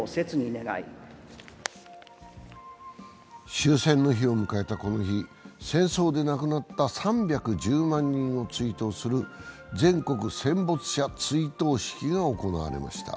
終戦の日を迎えたこの日、戦争で亡くなった３１０万人を追悼する全国戦没者追悼式が行われました。